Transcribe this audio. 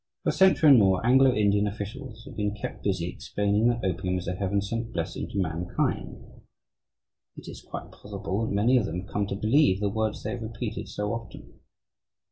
For a century and more, Anglo Indian officials have been kept busy explaining that opium is a heaven sent blessing to mankind. It is quite possible that many of them have come to believe the words they have repeated so often.